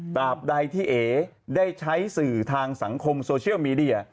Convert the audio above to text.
บใดที่เอ๋ได้ใช้สื่อทางสังคมโซเชียลมีเดีย